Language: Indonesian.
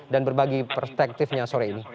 dan berbagi perspektifnya sore ini